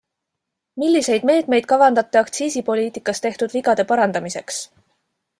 Milliseid meetmeid kavandate aktsiisipoliitikas tehtud vigade parandamiseks?